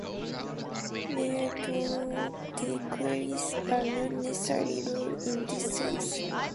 Mere decrees are not necessarily rules in this sense.